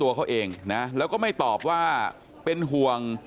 และไม่ตอบว่าให้ต่อเวลาเป็นห่วง